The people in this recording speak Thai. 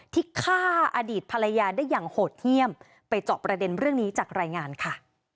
ที่ฆ่าอดีตภรรยาได้อย่างโหดเยี่ยมไปเจาะประเด็นเรื่องนี้จากรายงานค่ะ